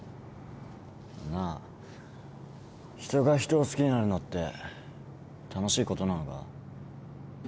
なあ人が人を好きになるのって楽しいことなのか？